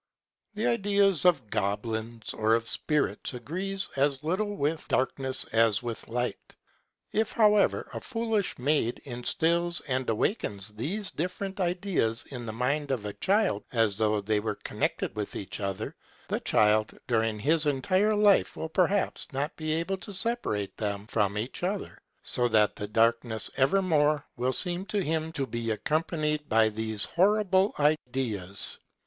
The ideas of goblins or of spirits agree as little with dark ness as with light ; if, however, a foolish maid instils and awakens these different ideas in the mind of a child, as though they were connected with each other, the child during his entire life will perhaps not be able to separate them from each other; so that the darkness ever more will seem to him to be accom panied with these horrible ideas.